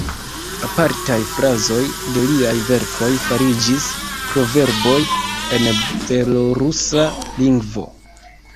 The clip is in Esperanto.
Apartaj frazoj de liaj verkoj fariĝis proverboj en belorusa lingvo.